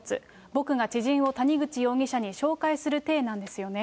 僕が知人を谷口容疑者に紹介するていなんですよね。